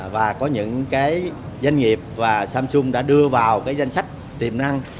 và có những doanh nghiệp samsung đã đưa vào danh sách tiềm năng